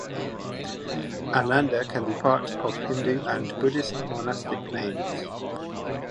Ananda can be part of Hindu and Buddhist monastic names.